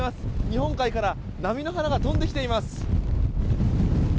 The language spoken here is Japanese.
日本海から波の花が飛んできています。